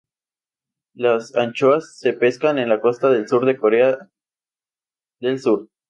Las anchoas se pescan en la costa sur de Corea del Sur.